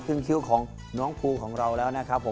คิ้วของน้องภูของเราแล้วนะครับผม